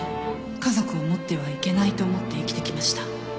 家族を持ってはいけないと思って生きてきました